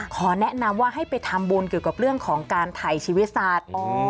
ขอแนะนำว่าให้ไปทำบุญเกี่ยวกับเรื่องของการถ่ายชีวิตสัตว์